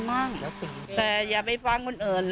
คนที่พูดเนี่ย